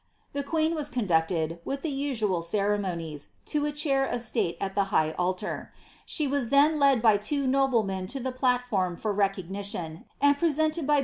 The queen was conducted, with the upual cere monies, to a cliair of state at the high altar. She was then led by two noblemen to the platform for recognition, and presented by bishop Ogle 'Th«?